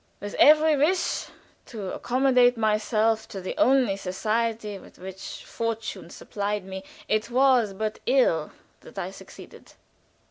With every wish to accommodate myself to the only society with which fortune supplied me, it was but ill that I succeeded.